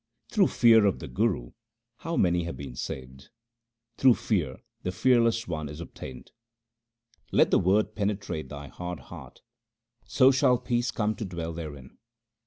Through fear of the Guru how many have been saved ! through fear the Fearless One is obtained. Let the Word penetrate thy hard heart, so shall peace come to dwell therein.